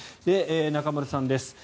中丸さんです。